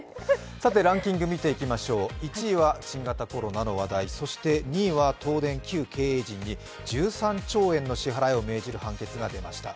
ランキング見ていきましょう１位は新型コロナの話題、そして２位は東電旧経営陣に１３兆円の支払いを命じる判決が出ました。